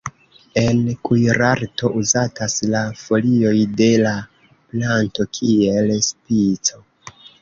En kuirarto uzatas la folioj de la planto kiel spico.